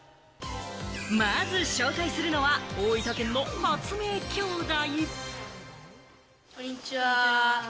まず紹介するのは、大分県の発明兄弟。